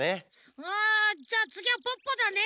あじゃあつぎはポッポだね。